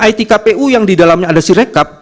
sistem it kpu yang didalamnya ada sirecap